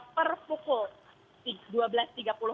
per pukul dua belas tiga puluh